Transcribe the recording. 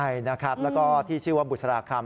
ใช่แล้วก็ที่ชื่อว่าบุษราคัม